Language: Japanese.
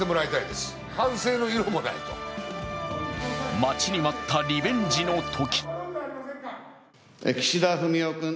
待ちに待ったリベンジの時。